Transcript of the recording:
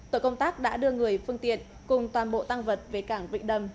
tội công tác đã đưa người phương tiện cùng toàn bộ tăng vật về cảng vịnh đầm